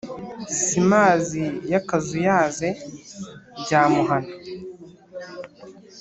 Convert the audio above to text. Si mazi yakazuyaze ryamuhama,